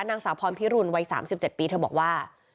นางสาวพรพิรุณวัย๓๗ปีเธอบอกว่า